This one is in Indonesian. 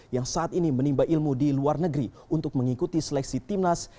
yang saat ini menimba ilmu di luar negeri untuk mengikuti seleksi timnas